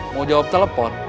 mau jawab telepon